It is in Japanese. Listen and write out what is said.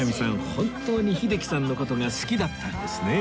本当に秀樹さんの事が好きだったんですね